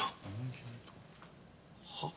はっ？